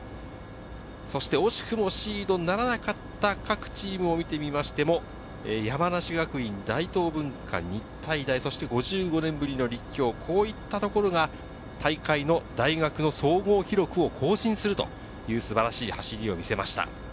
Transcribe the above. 惜しくもシードならなかった各チームを見ても、山梨学院、大東文化、日体大、５５年ぶりの立教、こういったところが大会の大学の総合記録を更新する素晴らしい走りを見せました。